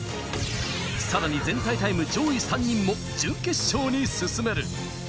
さらに全体タイム上位３人も準決勝に進める。